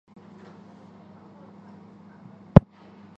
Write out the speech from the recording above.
西晋永嘉四年。